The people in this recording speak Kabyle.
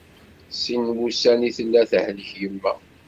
Sin n wussan i tella tehlek yemma.